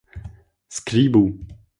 skribu